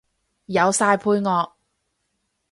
有晒配樂